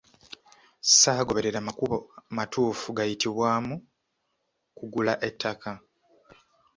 Ssaagoberera makubo matuufu gayitibwamu kugula ettaka.